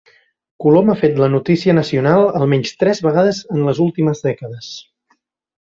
Colom ha fet la notícia Nacional almenys tres vegades en les últimes dècades.